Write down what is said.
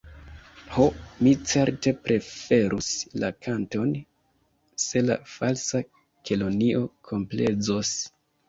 Ho, mi certe preferus la kanton, se la Falsa Kelonio komplezos.